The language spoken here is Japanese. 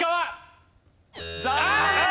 残念！